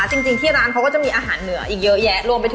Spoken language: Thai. จริงจริงที่ร้านเขาก็จะมีอาหารเหนืออีกเยอะแยะ